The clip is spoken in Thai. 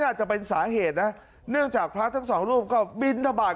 อาจจะเป็นสาเหตุนะเนื่องจากพระทั้งสองรูปก็บินทบาท